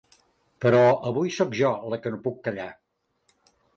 Però avui sóc jo la que no puc callar.